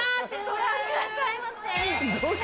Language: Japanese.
ご覧くださいませ。